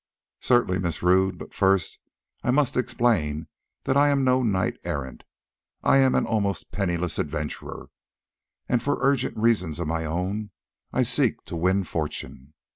"Certainly, Miss Rodd. But first I must explain that I am no knight errant. I am an almost penniless adventurer, and for urgent reasons of my own I seek to win fortune.